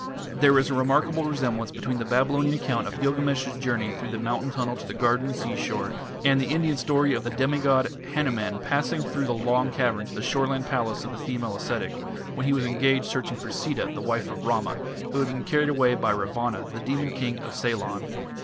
There is a remarkable resemblance between the Babylonian account of Gilgamesh's journey through the mountain tunnel to the garden and seashore, and the Indian story of the demigod Hanuman passing through the long cavern to the shoreland palace of the female ascetic, when he was engaged searching for Sita, the wife of Rama, who had been carried away by Ravana, the demon king of Ceylon.